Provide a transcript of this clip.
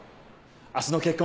明日の結婚